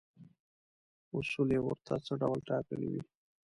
اصول یې ورته څه ډول ټاکلي وي.